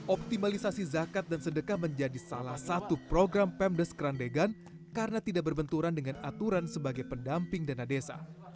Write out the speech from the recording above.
optimalisasi zakat dan sedekah menjadi salah satu program pemdes kerandegan karena tidak berbenturan dengan aturan sebagai pendamping dana desa